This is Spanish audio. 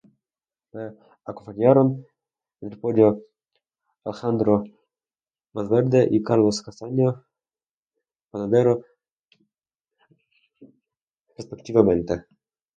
Le acompañaron en el podio Alejandro Valverde y Carlos Castaño Panadero respectivamente.